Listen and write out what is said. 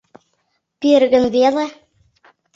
— Пире гын веле?